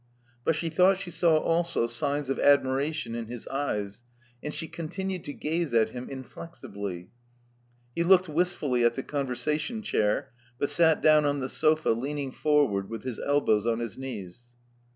But she thought she saw also signs of admiration in his eyes; and she continued to gaze at him inflexibly. He looked wistfully at the conversation chair, but sat down on the sofa, leaning forward with his elbows on his knees.